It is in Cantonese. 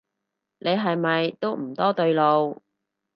你係咪都唔多對路